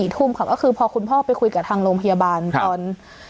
ทุ่มค่ะก็คือพอคุณพ่อไปคุยกับทางโรงพยาบาลตอน